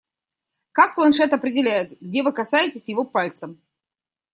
Как планшет определяет, где вы касаетесь его пальцем?